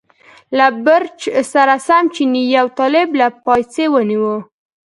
له بړچ سره سم چیني یو طالب له پایڅې ونیوه.